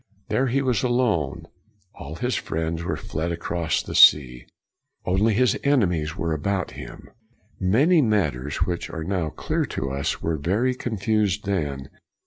There he was alone; all his friends were fled across the sea; only his enemies were about him. Many matters which are now clear to us were very confused then.